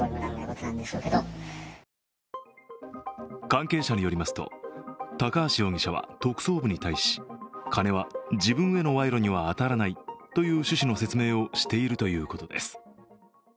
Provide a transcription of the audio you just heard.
関係者によりますと高橋容疑者は特捜部に対しカネは自分への賄賂には当たらないという趣旨の説明をしているということです。